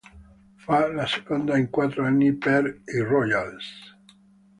Fa la seconda in quattro anni per i "Royals".